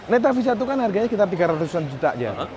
neta v satu kan harganya sekitar tiga ratus an juta jar